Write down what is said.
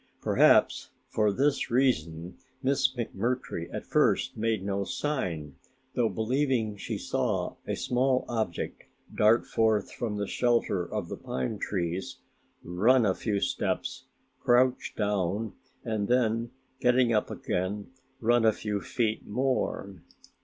Perhaps for this reason Miss McMurtry at first made no sign, though believing she saw a small object dart forth from the shelter of the pine trees, run a few steps, crouch down and then getting up again run on a few feet more.